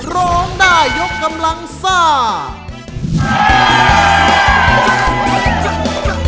ร้องได้ยกกำลังซ่า